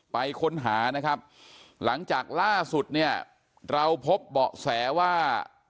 ไปค้นหานะครับหลังจากล่าสุดเนี่ยเราพบเบาะแสว่า